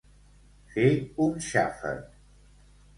Fer un xàfec.